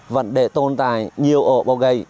vấn đề tồn tại nhiều ổ bầu gây